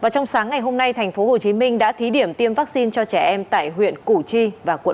trong sáng ngày hôm nay tp hcm đã thí điểm tiêm vaccine cho trẻ em tại huyện củ chi và quận tám